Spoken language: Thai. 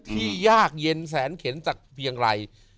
ยากเย็นแสนเข็นจากเพียงไร